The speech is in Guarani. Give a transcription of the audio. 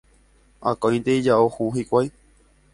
Akóinte ijao hũ hikuái